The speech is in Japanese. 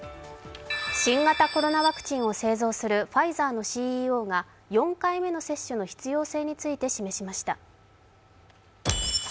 新型コロナワクチンを製造するファイザーのＣＥＯが４回目の接種の必要性について示しました。